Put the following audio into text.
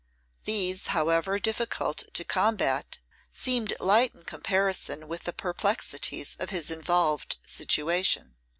These, however difficult to combat, seemed light in comparison with the perplexities of his involved situation.